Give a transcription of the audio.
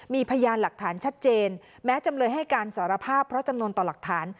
มีพยานหลักฐานชัดเจนแม้จำเลยให้การสารภาพเพราะจำนวนต่อหลักฐาน